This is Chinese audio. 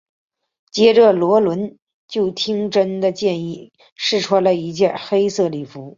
接着萝伦就听珍的建议试穿了一件黑色礼服。